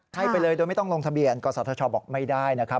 ให้ไปเลยโดยไม่ต้องลงทะเบียนกศธชบอกไม่ได้นะครับ